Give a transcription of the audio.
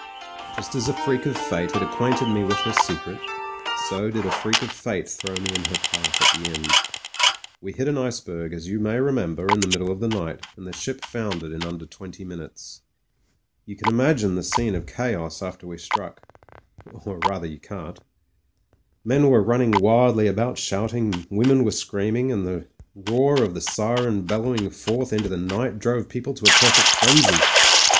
Just as a freak of fate had acquainted me with her secret; so did a freak of fate throw me in her path at the end. ... We hit an iceberg, as you may remember, in the middle of the night, and the ship foundered in unider twenty minutes. You can imagine the scene of chaos after we struck, SPUD TREVOR OF THE RED HUSSARS 93 or rather you can't. Men were running wildly about shouting, women were screaming, and the roar of the siren bellowing forth into the night drove people to a perfect frenzy.